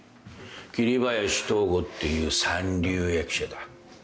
桐林藤吾っていう三流役者だ。